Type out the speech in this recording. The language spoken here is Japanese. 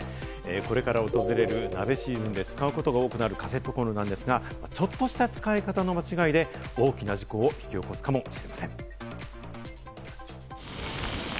これから訪れる鍋シーズンで使うことが多くなるカセットコンロなんですが、ちょっとした使い方の間違いで大きな事故を引き起こすかもしれません。